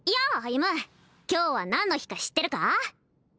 今日は何の日か知ってるか？